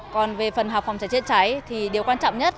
còn về phần học phòng cháy chữa cháy thì điều quan trọng nhất